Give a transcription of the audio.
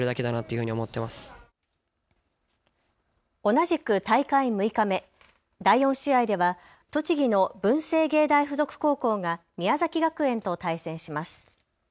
同じく大会６日目、第４試合では栃木の文星芸大付属高校が宮崎学園と対戦します。